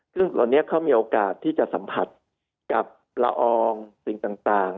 ซึ่งตอนนี้เขามีโอกาสที่จะสัมผัสกับละอองสิ่งต่าง